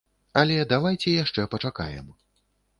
Але давайце яшчэ пачакаем.